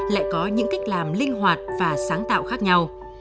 lại có những cách làm linh hoạt và sáng tạo khác nhau